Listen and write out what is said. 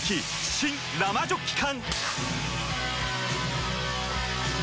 新・生ジョッキ缶！